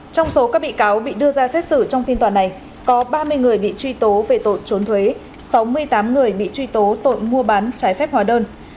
trong số các bị cáo bị đưa ra xét xử trong phiên tòa này có ba mươi người bị truy tố về tội trốn thuế sáu mươi tám người bị truy tố tội mua bán trái phép hóa đơn